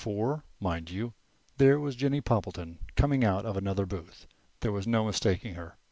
For, mind you, there was Jennie Poppleton coming out of another booth. There was no mistaking her.